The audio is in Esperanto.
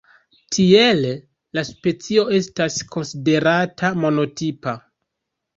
Tiele la specio estas konsiderata monotipa.